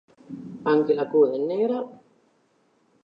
Anche la coda è nera.